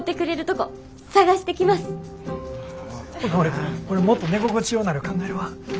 これもっと寝心地ようなるか考えるわ。